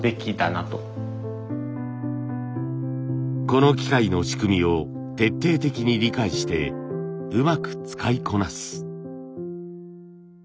この機械の仕組みを徹底的に理解してうまく使いこなす。